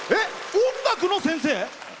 音楽の先生？